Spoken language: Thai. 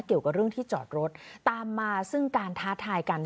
เกี่ยวกับเรื่องที่จอดรถตามมาซึ่งการท้าทายกัน